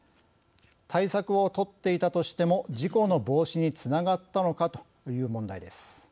対策を取っていたとしても事故の防止につながったのかという問題です。